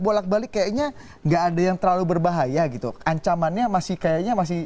bolak balik kayaknya enggak ada yang terlalu berbahaya gitu ancamannya masih kayaknya masih